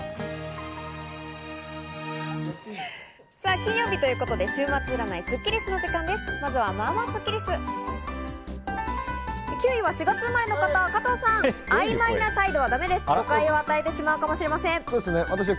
金曜日ということで週末占いスッキりすの時間です。